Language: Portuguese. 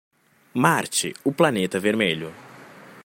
Marte, o Planeta Vermelho.